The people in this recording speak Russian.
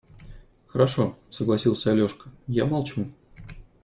– Хорошо, – согласился Алешка, – я молчу.